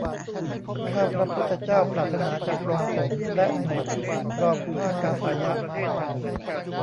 ข้าพระพุทธเจ้าปรารถนาจะปลงผมและหนวด ครองผ้ากาสายะ